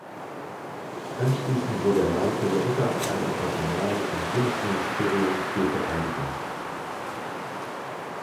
Anschließend wurde er Leiter der Unterabteilung Personal im Bundesministerium für Verteidigung.